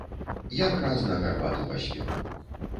Якраз на гарбату паспеў.